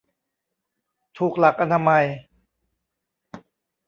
ถูกหลักอนามัย